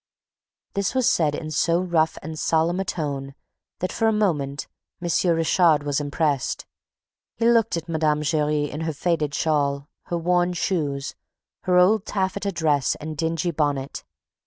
This was said in so rough and solemn a tone that, for a moment, M. Richard was impressed. He looked at Mme. Giry, in her faded shawl, her worn shoes, her old taffeta dress and dingy bonnet.